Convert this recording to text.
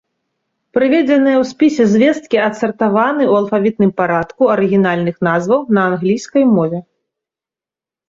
Прыведзеныя ў спісе звесткі адсартаваны ў алфавітным парадку арыгінальных назваў на англійскай мове.